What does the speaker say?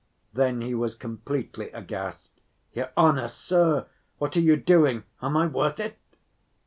Then he was completely aghast. "Your honor ... sir, what are you doing? Am I worth it?"